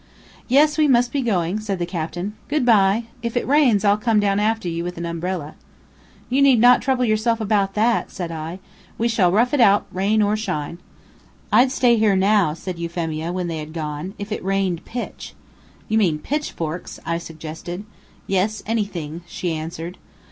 "Yes, we must be going," said the captain. "Good bye. If it rains I'll come down after you with an umbrella." "You need not trouble yourself about that," said I. "We shall rough it out, rain or shine." "I'd stay here now," said Euphemia, when they had gone, "if it rained pitch." "You mean pitchforks," I suggested. "Yes, anything," she answered.